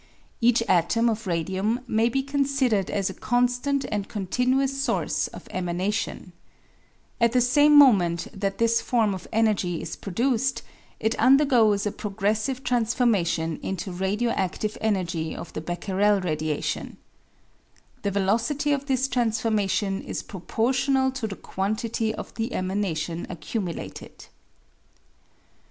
Each atom of radium may be considered as a constant and continuous source of emanation. At the same moment that this form of energy is produced, it undergoes a pro gressive transformation into radio adive energy of the Thesis presented to the Faculty des Sciences de Paris. Becquerel radiation. The velocity of this transformation is proportional to the quantity of the emanation accumulated.